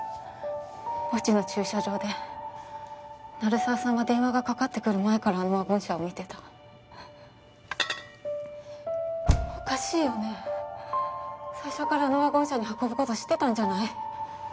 墓地の駐車場で鳴沢さんは電話がかかってくる前からあのワゴン車を見てたおかしいよね最初からあのワゴン車に運ぶこと知ってたんじゃない？